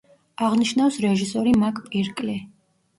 აღნიშნავს რეჟისორი მაკ პირკლი.